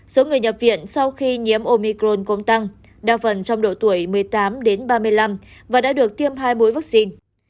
số người nhập viện sau khi nhiễm omicron cũng tăng đa phần trong độ tuổi một mươi tám đến ba mươi năm và đã được tiêm hai mũi vaccine